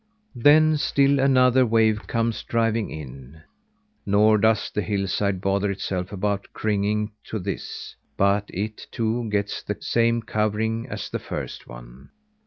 Then still another wave comes driving in. Nor does the hillside bother itself about cringing to this, but it, too, gets the same covering as the first one.